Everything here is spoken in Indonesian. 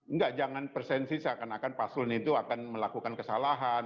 enggak jangan persensi seakan akan paslon itu akan melakukan kesalahan